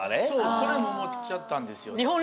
そうそれも思っちゃったんですよね